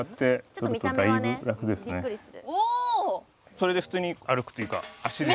それで普通に歩くというか足で。